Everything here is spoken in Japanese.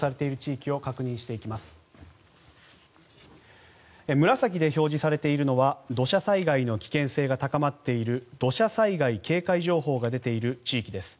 紫で表示されているのは土砂災害の危険性が高まっている土砂災害警戒情報が出ている地域です。